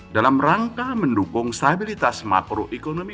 dalam rangka mendukung stabilitas makroekonomi